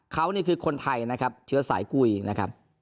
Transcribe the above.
เขานี่คือคนไทยนะครับเชื้อสายกุยนะครับ